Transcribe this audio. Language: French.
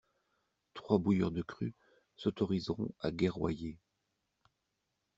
Trois bouilleurs de cru s'autoriseront à guerroyer.